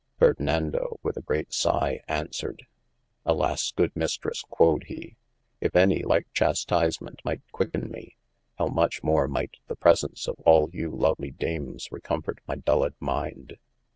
Ferdinando with a great sigh answered : Alas good Mistres (quod he) if any like chastisement might quicke me, how much more might the presence of all you lovely Dames recomfort my dulled mind?